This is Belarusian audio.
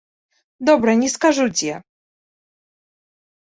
Добра не скажу дзе.